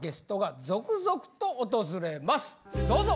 どうぞ。